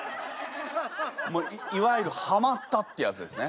もういわゆるはまったってやつですね。